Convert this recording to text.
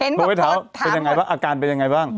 เพราะว่าเธอถามว่าเป็นอย่างไรบ้างอาการเป็นอย่างไรบ้าง